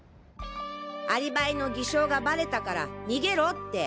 アリバイの偽証がバレたから逃げろって。